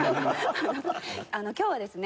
今日はですね